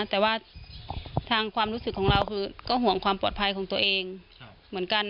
แต่ว่าทางความรู้สึกของเราคือก็ห่วงความปลอดภัยของตัวเองเหมือนกัน